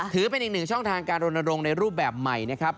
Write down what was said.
ถือเป็นอีกหนึ่งช่องทางการรณรงค์ในรูปแบบใหม่นะครับ